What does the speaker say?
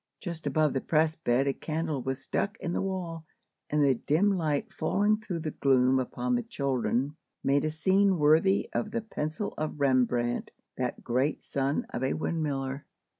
Just above the press bed a candle was stuck in the wall, and the dim light falling through the gloom upon the children made a scene worthy of the pencil of Rembrandt, that great son of a windmiller.